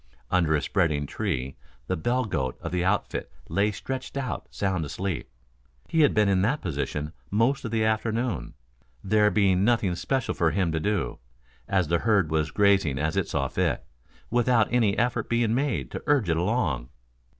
Under a spreading tree the bell goat of the outfit lay stretched out sound asleep. He had been in that position most of the afternoon, there being nothing special for him to do, as the herd was grazing as it saw fit, without any effort being made to urge it along.